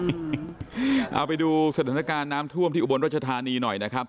เอาไปดูสถานการณ์น้ำท่วมที่อุบลรัชธานีหน่อยนะครับ